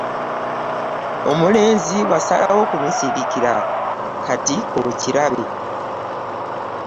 Omulenzi wasalawo kumusirikira kati k'okirabe.